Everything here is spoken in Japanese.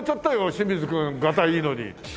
清水君がたいいいのに。